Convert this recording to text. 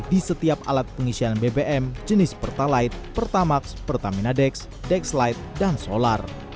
di setiap alat pengisian bbm jenis pertalite pertamax pertamina dex dexlite dan solar